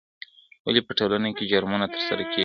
ولې په ټولنه کې جرمونه ترسره کیږي؟